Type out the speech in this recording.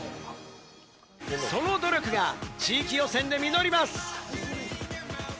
その努力が地域予選で実ります。